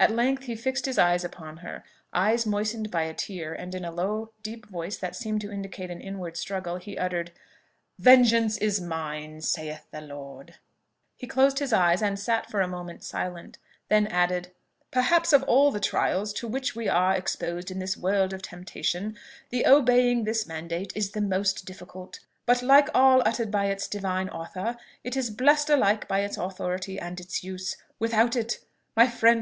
At length he fixed his eyes upon her eyes moistened by a tear, and in a low, deep voice that seemed to indicate an inward struggle, he uttered, "Vengeance is mine, saith the Lord!" He closed his eyes, and sat for a moment silent, then added, "Perhaps of all the trials to which we are exposed in this world of temptation, the obeying this mandate is the most difficult! But, like all uttered by its Divine Author, it is blessed alike by its authority and its use. Without it! my friend!